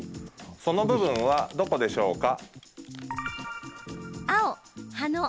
その部分は、どこでしょうか？